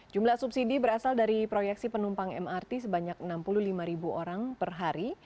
jumlah subsidi berasal dari proyeksi penumpang mrt sebanyak enam puluh lima ribu orang per hari